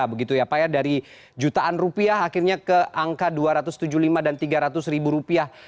begitu ya pak ya dari jutaan rupiah akhirnya ke angka dua ratus tujuh puluh lima dan tiga ratus ribu rupiah